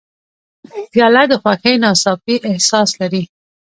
پیاله د خوښۍ ناڅاپي احساس لري.